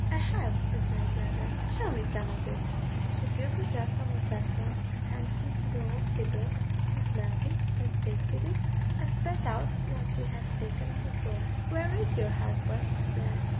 "I have," replied the other. "Show me some of it." She filled a jug from a vessel and handed it to the old sybil, who smelled it, then tasted it, and spat out what she had taken on the floor. "Where is your husband?" she asked.